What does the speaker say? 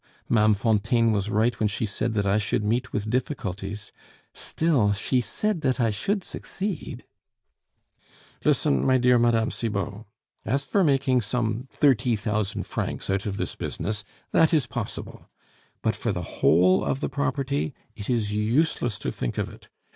Ma'am Fontaine was right when she said that I should meet with difficulties: still, she said that I should succeed " "Listen, my dear Mme. Cibot. As for making some thirty thousand francs out of this business that is possible; but for the whole of the property, it is useless to think of it.